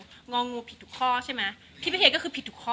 พี่พลีเค้ก็จะเป็นผิดทุกข้อ